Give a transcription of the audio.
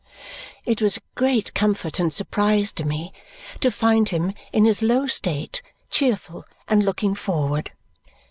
It was a great comfort and surprise to me to find him in his low state cheerful and looking forward.